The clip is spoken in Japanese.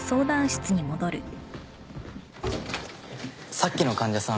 さっきの患者さん